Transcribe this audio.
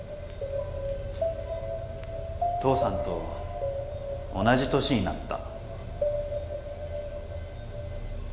父さんと同じ年になった。